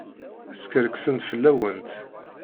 Skerksent fell-awent.